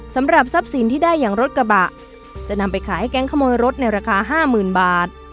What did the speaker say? สำหรับทรัพย์สินที่ได้อย่างรถกระบะจะนำไปขายให้แก๊งขโมยรถในราคา๕๐๐๐บาท